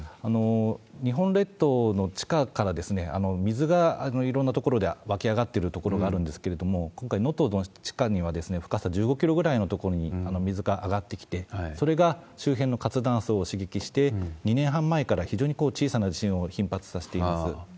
日本列島の地下から、水がいろんなところで湧き上がってる所があるんですけれども、今回、能登の地下には深さ１５キロぐらいの所に水が上がってきて、それが周辺の活断層を刺激して、２年半前から非常に小さな地震を頻発させています。